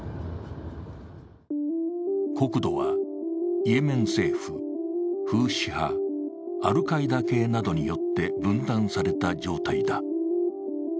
国土はイエメン政府、フーシ派、アルカイダ系などによって分断された状態だ。